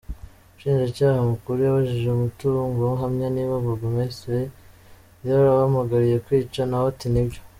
Umushinjacyaha mukuru yabajije umutangabuhamya niba Burugumesitiri yarabahamagariye kwica, nawe ati “nibyo’’.